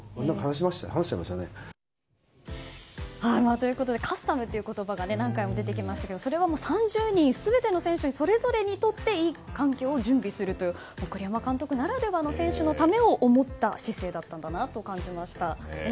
ということでカスタムという言葉が何回も出てきましたけどそれは３０人全ての選手それぞれにとっていい環境を準備するという栗山監督ならではの選手のためを思った姿勢だったんだなと感じました。